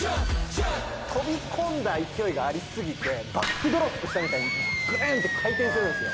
飛び込んだ勢いがありすぎてバックドロップしたみたいにグルンと回転するんですよ。